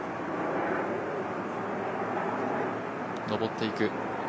上っていく。